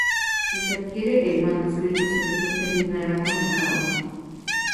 El que adquiere el Manuscrito Secreto terminara con el caos.